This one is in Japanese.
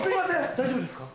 大丈夫ですか？